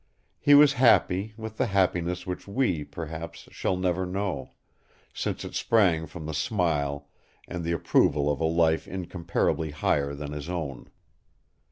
He was happy with the happiness which we, perhaps, shall never know, since it sprang from the smile and the approval of a life incomparably higher than his own.